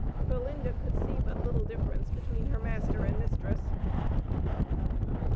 Belinda could see but little difference between her master and mistress.